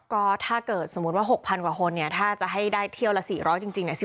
ก็ถ้าเกิดสมมุติว่า๖๐๐กว่าคนเนี่ยถ้าจะให้ได้เที่ยวละ๔๐๐จริง